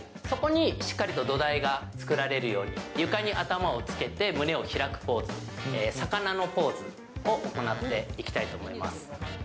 そこにしっかりと土台がつくられるように、床に頭をつけて胸を開くポーズ、魚のポーズを行っていきたいと思います。